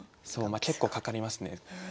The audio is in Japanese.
結構かかりますね。